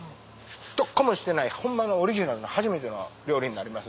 どっこもしてないホンマのオリジナルな初めての料理になります。